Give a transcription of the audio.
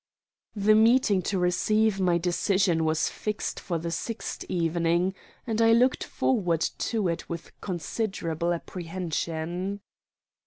The meeting to receive my decision was fixed for the sixth evening, and I looked forward to it with considerable apprehension.